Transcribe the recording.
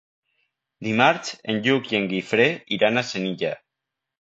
Dimarts en Lluc i en Guifré iran a Senija.